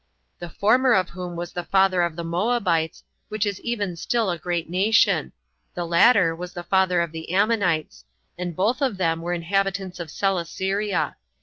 The former of whom was the father of the Moabites, which is even still a great nation; the latter was the father of the Ammonites; and both of them are inhabitants of Celesyria.